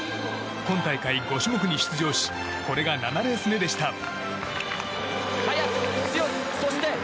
今大会５種目に出場しこれが７レース目でした。